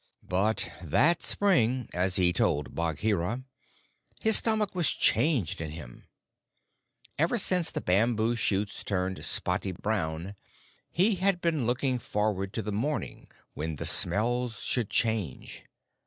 But that spring, as he told Bagheera, his stomach was changed in him. Ever since the bamboo shoots turned spotty brown he had been looking forward to the morning when the smells should change.